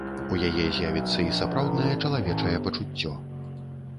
У яе з'явіцца і сапраўднае чалавечае пачуццё.